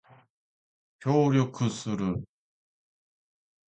協力する